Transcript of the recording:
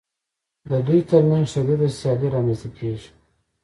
د دوی ترمنځ شدیده سیالي رامنځته کېږي